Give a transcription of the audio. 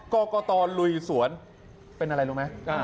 ก๋อกก่อตอลุยสวนเป็นอะไรรู้ไหมอ่า